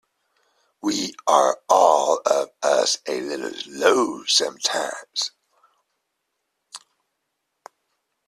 We are all of us a little low sometimes.